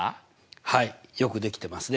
はいよくできてますね。